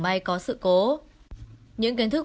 may có sự cố những kiến thức